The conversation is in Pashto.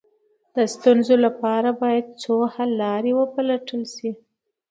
د ستونزو لپاره باید څو حل لارې وپلټل شي.